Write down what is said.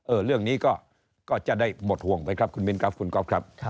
เรื่องนี้ก็จะได้หมดห่วงไปครับคุณมิ้นครับคุณก๊อฟครับ